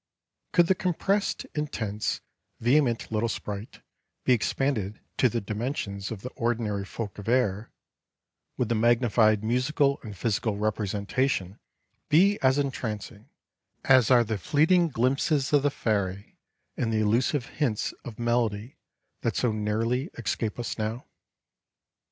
Could the compressed, intense, vehement little sprite be expanded to the dimensions of the ordinary folk of air, would the magnified musical and physical representation be as entrancing as are the fleeting glimpses of the fairy and the elusive hints of melody that so nearly escape us now?